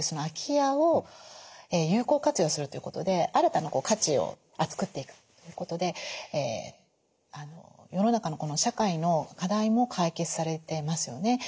空き家を有効活用するということで新たな価値をつくっていくことで世の中の社会の課題も解決されてますよね。